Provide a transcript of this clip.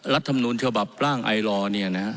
รัฐธรรมนุนฉบับร่างไอล่อนี้นะ